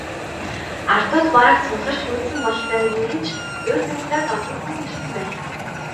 Ардууд бараг цугларч гүйцсэн бололтой, ер нь ч урьд урьдаас олон хүн ирсэн байлаа.